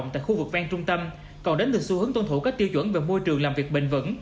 tại khu vực ven trung tâm còn đến từ xu hướng tuân thủ các tiêu chuẩn về môi trường làm việc bền vững